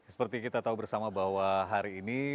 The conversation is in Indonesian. seperti kita tahu bersama bahwa hari ini